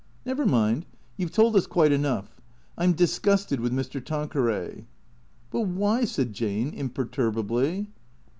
" Never mind. You 've told us quite enough. I 'm disgusted with Mr. Tanqueray." " But why ?" said Jane imperturbably.